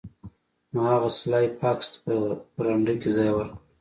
نو هغه سلای فاکس ته په برنډه کې ځای ورکړ